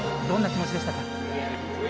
どんな気持ちでしたか？